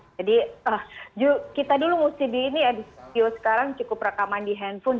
jadi kita dulu musib ini ya di studio sekarang cukup rekaman di handphone